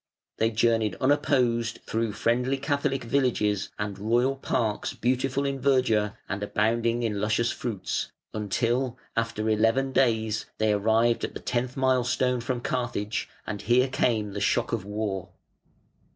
They journeyed unopposed through friendly Catholic villages, and royal parks beautiful in verdure and abounding in luscious fruits, until, after eleven days, they arrived at the tenth milestone from Carthage, and here came the shock of war.